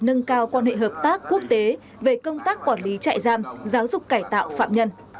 nâng cao quan hệ hợp tác quốc tế về công tác quản lý trại giam giáo dục cải tạo phạm nhân